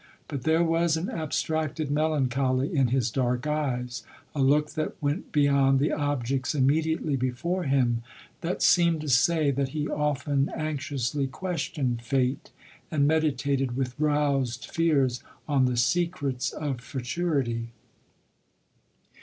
But there was an abstracted melancholy in his dark eyes — a look that went beyond the objects immediately be fore him, that seemed to say that he often anxiously questioned fate, and meditated with roused fears on the secrets of futurity.